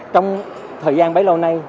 trong thời gian bấy lâu nay